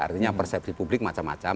artinya persepsi publik macam macam